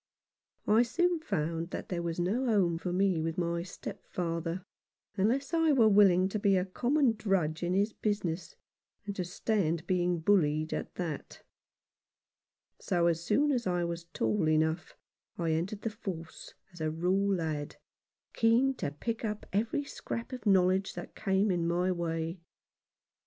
I soon found that there was no home for me with my stepfather, unless I were willing to be a common drudge in his business, and to stand being bullied at that ; so as soon as I was tall enough I entered the force as a raw lad, keen to pick up every scrap of knowledge that came in my way.